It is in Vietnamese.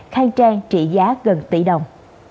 khang trang trị giá gần tỷ đồng